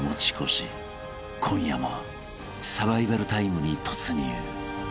［今夜もサバイバルタイムに突入］